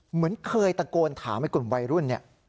เหมือนเคยตะโกนถามไอ้กลุ่มวัยรุ่นเนี่ย